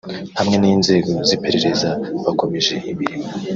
hamwe n’inzego z’iperereza bakomeje imirimo